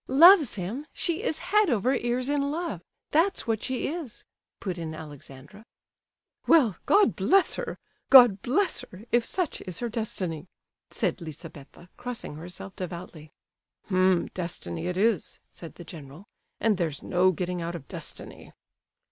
"Loves him? She is head over ears in love, that's what she is," put in Alexandra. "Well, God bless her, God bless her, if such is her destiny," said Lizabetha, crossing herself devoutly. "H'm destiny it is," said the general, "and there's no getting out of destiny."